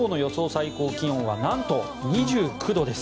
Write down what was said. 最高気温はなんと２９度です。